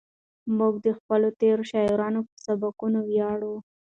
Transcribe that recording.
موږ د خپلو تېرو شاعرانو په سبکونو ویاړو.